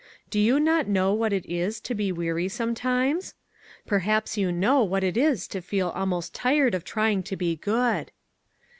Do you not know what it is to be weary sometimes ? Perhaps you know what it is to feel almost tired of trying to be good."